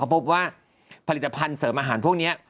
พบว่าผลิตภัณฑ์เสริมอาหารพวกนี้